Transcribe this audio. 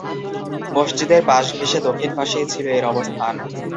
মসজিদের পাশ ঘেঁষে দক্ষিণ পাশেই ছিল এর অবস্থান।